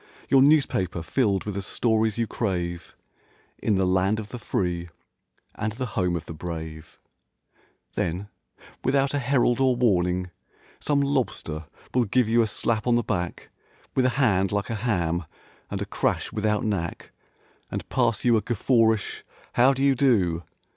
Your newspaper filled with the stories you crave In the "Land of the free and the home of the brave"— Then, without a herald or warning. Some lobster will give you a slap on the back With a hand like a ham and a crash without knack And pass you a guffawish "How do you do?"